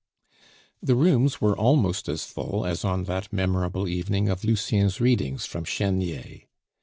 The rooms were almost as full as on that memorable evening of Lucien's readings from Chenier.